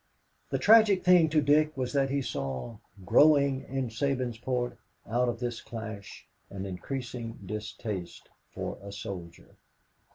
The tragic thing to Dick was that he saw growing in Sabinsport out of this clash, an increasing distaste for a soldier.